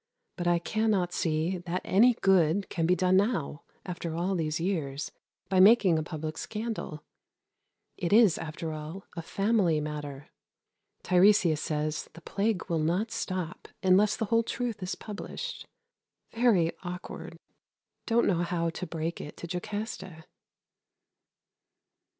But I cannot see that any good can be done now, after all these years, by making a public scandal. It is, after all, a family matter. Tiresias says the plague will not stop unless the whole truth is published. Very awkward. Don't know how to break it to Jocasta.